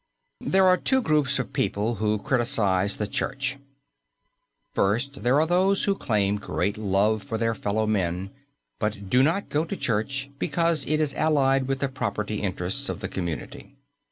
There are two groups of people who criticize the Church. First, there are those who claim great love for their fellow men, but do not go to church because it is allied with the property interests of the community.